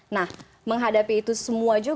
nah menghadapi itu semua juga